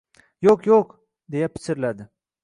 — Yo‘q, yo‘q... — deya pichirladi.